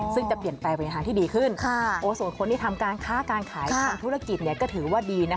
ซึ่งจะเปลี่ยนแปลงไปในทางที่ดีขึ้นส่วนคนที่ทำการค้าการขายทำธุรกิจก็ถือว่าดีนะคะ